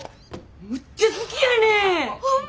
むっちゃ好きやねん！ホンマ！？